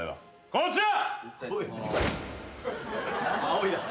こちら。